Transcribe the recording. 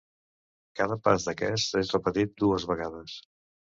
Cada pas d'aquests és repetit dues vegades.